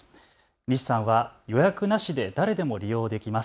西さんは予約なしで誰でも利用できます。